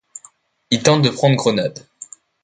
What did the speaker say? Il tente de prendre Grenade.